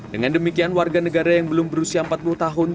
dengan demikian warga negara yang belum berusia empat puluh tahun